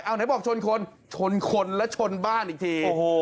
เอาไหนบอกชนคนชนคนแล้วชนบ้านอีกทีโอ้โห